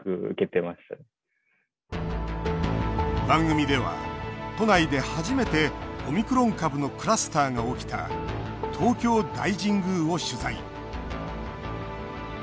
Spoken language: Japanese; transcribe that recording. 番組では、都内で初めてオミクロン株のクラスターが起きた東京大神宮を取材。